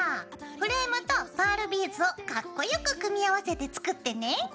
フレームとパールビーズをカッコよく組み合わせて作ってね！